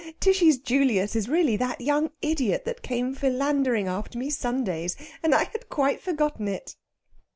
Tishy's Julius is really that young idiot that came philandering after me Sundays, and I had quite forgotten it!"